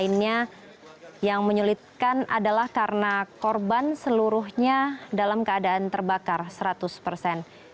nah korban seluruhnya dalam keadaan terbakar seratus persen